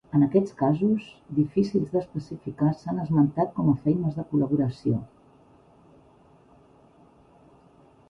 En aquests casos, difícils d'especificar s'han esmentat com a feines de col·laboració.